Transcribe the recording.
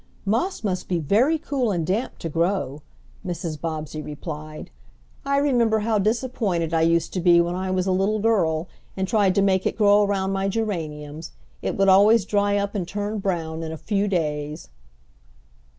"Moss must be very cool and damp to grow," Mrs. Bobbsey replied. "I remember how disappointed I used to be when I was a little girl and tried to make it grow around my geraniums. It would always dry up and turn brown in a few days."